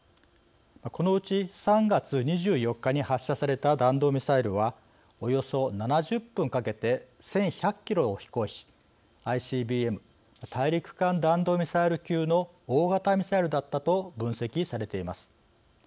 このうち３月２４日に発射された弾道ミサイルはおよそ７０分かけて１１００キロを飛行しＩＣＢＭ＝大陸間弾道ミサイル級の大型ミサイルだったと分析されています。